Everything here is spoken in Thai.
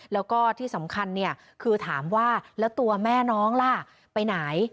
แล้วก็ที่สำคัญเนี่ยคือถามว่าแล้วตัวแม่น้องล่ะไปไหน